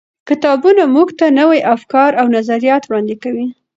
کتابونه موږ ته نوي افکار او نظریات وړاندې کوي.